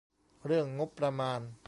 เรื่องงบประมาณ